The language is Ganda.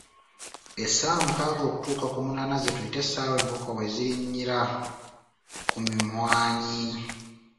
Essaawa mukaaga okutuuka ku munaana ze tuyita essaawa enkoko we zirinnyira ku mimwanyi.